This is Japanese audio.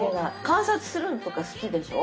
観察するのとか好きでしょ？